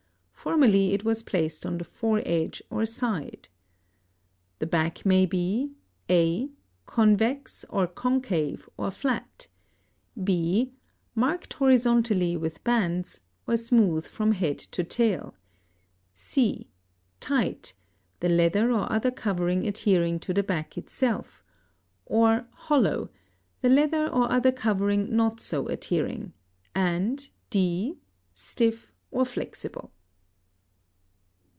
Formerly it was placed on the fore edge or side. The back may be (a) convex or concave or flat; (b) marked horizontally with bands, or smooth from head to tail; (c) tight, the leather or other covering adhering to the back itself, or hollow, the leather or other covering not so adhering; and (d) stiff or flexible.